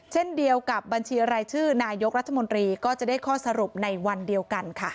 เช่นเดียวกับบัญชีรายชื่อนายกรัฐมนตรีก็จะได้ข้อสรุปในวันเดียวกันค่ะ